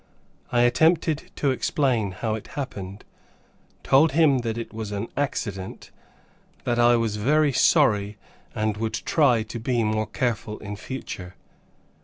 I attempted to explain how it happened, told him it was an accident, that I was very sorry, and would try to be more careful in future.